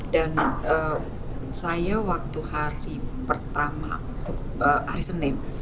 saya waktu hari pertama hari senin